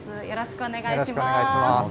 よろしくお願いします。